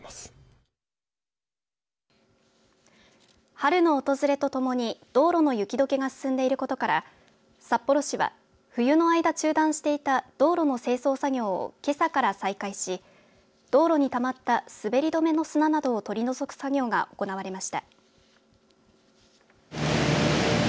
春の訪れとともに道路の雪どけが進んでいることから札幌市は冬の間中断していた道路の清掃作業をけさから再開し道路にたまった滑り止めの砂などを取り除く作業が行われました。